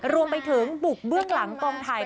รวมไปถึงบุกเบื้องหลังกองไทย